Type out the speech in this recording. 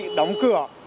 đã bị đóng cửa